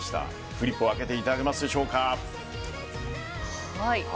フリップを上げていただけますでしょうか。